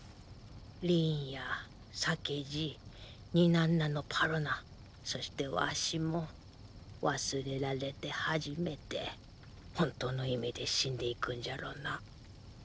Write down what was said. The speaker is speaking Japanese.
リーンや酒爺ニナンナのパロナそしてワシも忘れられて初めて本当の意味で死んでいくんじゃろうな。